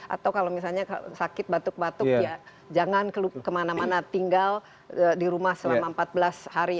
atau kalau misalnya sakit batuk batuk ya jangan kemana mana tinggal di rumah selama empat belas hari